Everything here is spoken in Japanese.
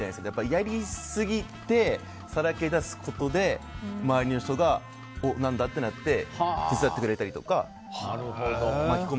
やりすぎてさらけ出すことで周りの人がおっ、何だ？ってなって手伝ってくれたりとか。